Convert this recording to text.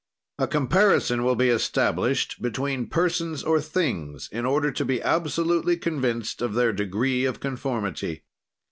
"A comparison will be established between persons or things, in order to be absolutely convinced of their degree of conformity.